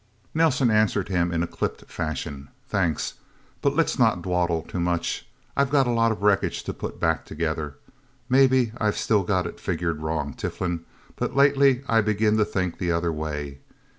Nelsen answered him in clipped fashion. "Thanks. But let's not dawdle too much. I've got a lot of wreckage to put back together... Maybe I've still got it figured wrong, Tiflin. But lately I began to think the other way.